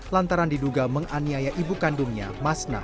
lantaran diduga menganiaya ibu kandungnya masna